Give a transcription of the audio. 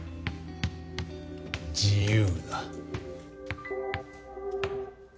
「自由」だ。